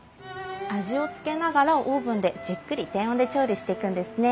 味をつけながらオーブンでじっくり低温で調理していくんですね。